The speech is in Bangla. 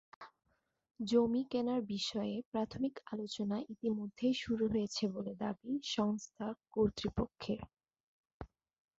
জমি কেনার বিষয়ে প্রাথমিক আলোচনা ইতিমধ্যেই শুরু হয়েছে বলে দাবি সংস্থা কর্তৃপক্ষের।